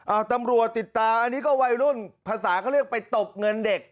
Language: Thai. เอาตำรวจติดตามอันนี้ก็วัยรุ่นภาษาเขาเรียกไปตบเงินเด็ก